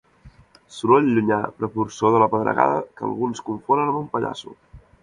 Soroll llunyà precursor de la pedregada que alguns confonen amb un pallasso.